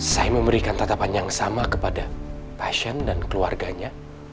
saya memberikan tatapan yang sama kepada passion dan keluarganya